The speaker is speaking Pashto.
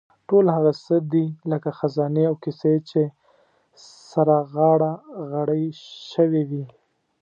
ټول هغه څه دي لکه خزانې او کیسې چې سره غاړه غړۍ شوې وي.